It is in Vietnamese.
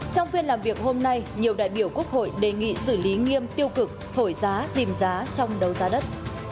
trong phiên làm việc hôm nay nhiều đại biểu quốc hội đề nghị xử lý nghiêm tiêu cực thổi giá dìm giá trong đấu giá đất